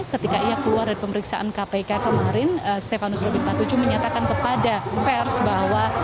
ketika ia keluar dari pemeriksaan kpk kemarin stefanus robin empat puluh tujuh menyatakan kepada pers bahwa